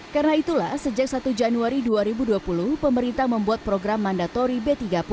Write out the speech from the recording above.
karena itulah sejak satu januari dua ribu dua puluh pemerintah membuat program mandatori b tiga puluh